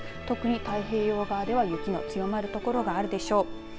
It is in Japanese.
特に太平洋側では雪の強まる所があるでしょう。